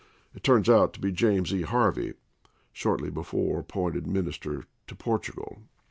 It turned out to be James E. Harvey, shortly before appointed Minister to Portugal.